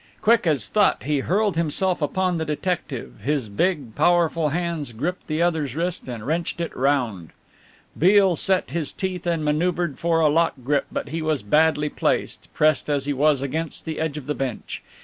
Quick as thought he hurled himself upon the detective, his big, powerful hands gripped the other's wrist and wrenched it round. Beale set his teeth and manoeuvred for a lock grip, but he was badly placed, pressed as he was against the edge of the bench.